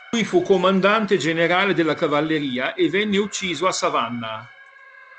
Qui fu comandante generale della cavalleria e venne ucciso a Savannah.